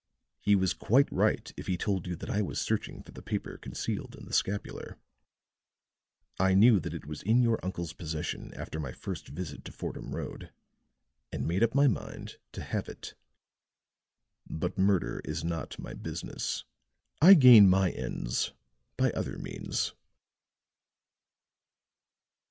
He was quite right if he told you that I was searching for the paper concealed in the scapular; I knew that it was in your uncle's possession after my first visit to Fordham Road, and made up my mind to have it. But murder is not my business. I gain my ends by other means."